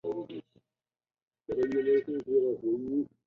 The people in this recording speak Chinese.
琴形管巢蛛为管巢蛛科管巢蛛属的动物。